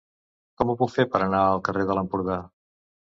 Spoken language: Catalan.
Com ho puc fer per anar al carrer de l'Empordà?